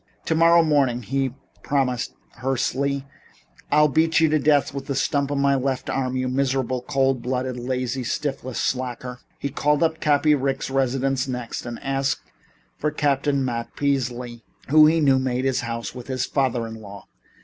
"Tomorrow morning," he promised hoarsely, "I'll beat you to death with the stump of my left arm, you miserable, cold blooded, lazy, shiftless slacker." He called up Cappy Ricks' residence next, and asked for Captain Matt Peasley, who, he knew, made his home with his father in law.